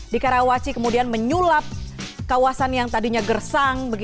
di karawaci kemudian menyulap kawasan yang tadinya gersang